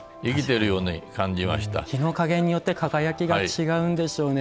日の加減によって輝きが違うんでしょうね。